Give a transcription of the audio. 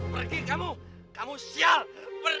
pergi kamu kamu sial pergi